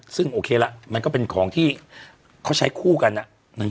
ซึ่งโอเคละมันก็เป็นของที่เขาใช้คู่กันอ่ะ